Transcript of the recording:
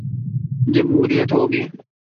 جمہوریت ہو گی۔